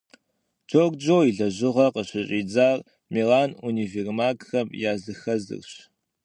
Джорджио и лэжьыгъэр къыщыщӀидзар Милан универмагхэм языхэзырщ.